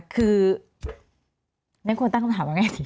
คือเรียกควรตั้งคำถามว่าอย่างไรดี